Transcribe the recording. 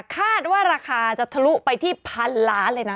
คาดว่าราคาจะทะลุไปที่๑๐๐๐๐๐๐อันเลยนะ